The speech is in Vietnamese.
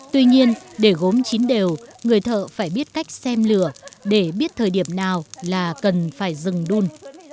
tuy nhiên để gốm chín đều người thợ phải biết cách xem lửa để biết thời điểm nào là cần phải dừng đun